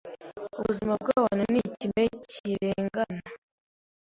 Ubuzima bwabantu ni ikime kirengana.